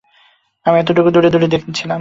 আমি একটু দূরে দূরে ছিলাম।